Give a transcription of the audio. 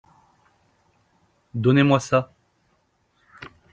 Donnez-moi ça.